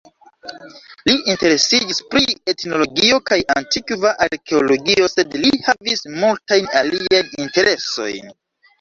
Li interesiĝis pri etnologio kaj antikva arkeologio, sed li havis multajn aliajn interesojn.